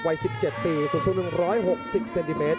วัย๑๗ปีสูงสูง๑๖๐เซนติเมตร